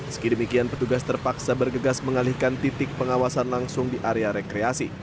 sekidemikian petugas terpaksa bergegas mengalihkan titik pengawasan langsung di area rekreasi